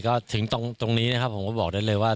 ก็ถึงตรงนี้นะครับผมก็บอกได้เลยว่า